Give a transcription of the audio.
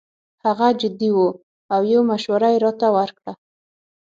هغه جدي وو او یو مشوره یې راته ورکړه.